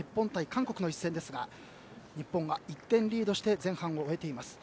韓国の一戦ですが日本が１点リードで前半を終えています。